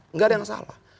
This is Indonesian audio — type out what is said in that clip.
enggak ada yang salah